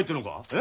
え！